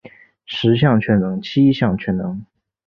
十项全能七项全能